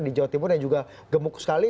di jawa timur yang juga gemuk sekali